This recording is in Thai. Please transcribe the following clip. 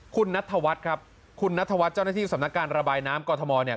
คุณนัทธวัฒน์ครับคุณนัทวัฒน์เจ้าหน้าที่สำนักการระบายน้ำกรทมเนี่ย